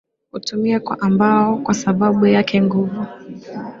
hutumiwa kwa mbao kwa sababu yake nguvu